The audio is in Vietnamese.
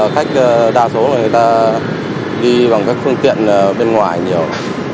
khách đa số người ta đi bằng các phương tiện bên ngoài nhiều